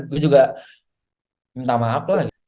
gue juga minta maaf lah gitu